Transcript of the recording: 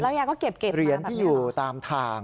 แล้วยายก็เก็บมาแบบนี้หรอเหรียญที่อยู่ตามทาง